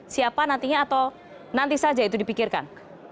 siapa nantinya atau nanti saja itu dipikirkan